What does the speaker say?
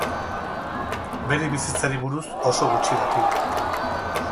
Bere bizitzari buruz oso gutxi dakigu.